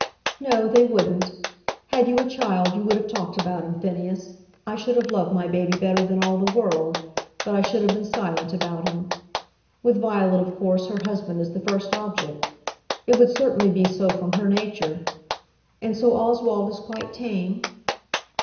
"No; they wouldn't. Had you a child you would have talked about him, Phineas. I should have loved my baby better than all the world, but I should have been silent about him. With Violet of course her husband is the first object. It would certainly be so from her nature. And so Oswald is quite tame?"